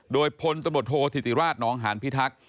โดยพลตำรวจโทษธิติราชนองหานพิทักษ์